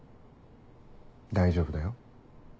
大丈夫だよ。